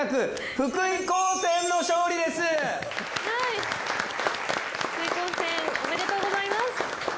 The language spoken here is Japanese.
福井高専おめでとうございます。